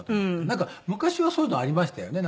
なんか昔はそういうのありましたよね